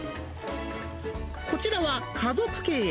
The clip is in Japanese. こちらは家族経営。